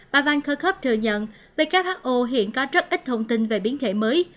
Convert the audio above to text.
bà van kerkhoop thừa nhận who hiện có rất ít thông tin về biến thể mới